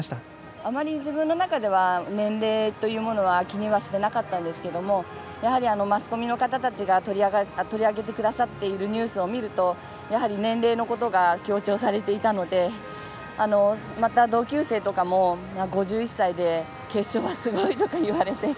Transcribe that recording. あまり自分の中では年齢というのは気にしてはいなかったんですけどマスコミの方たちが取り上げてくださっているニュースを見るとやはり年齢のことが強調されていたのでまた、同級生とかも５１歳で決勝はすごいとか言われて。